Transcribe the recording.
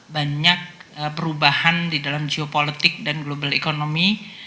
banyak perubahan di dalam geopolitik dan global economy